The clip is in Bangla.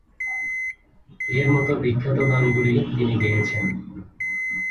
এর মতো বিখ্যাত গানগুলি তিনি গেয়েছেন।